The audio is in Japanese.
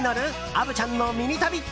虻ちゃんのミニ旅。